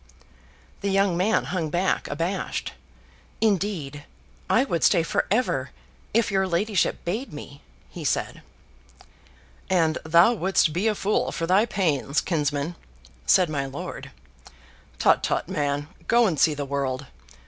The young man hung back abashed. "Indeed, I would stay for ever, if your ladyship bade me," he said. "And thou wouldst be a fool for thy pains, kinsman," said my lord. "Tut, tut, man. Go and see the world.